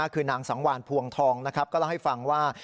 คือนางสังวานภวงทองนะครับก็เล่าให้ฟังว่า